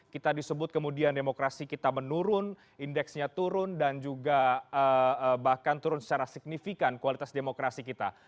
kita disebut kemudian demokrasi kita menurun indeksnya turun dan juga bahkan turun secara signifikan kualitas demokrasi kita